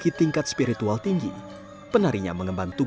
ada banyak ragam pertunjukan tari topeng di bali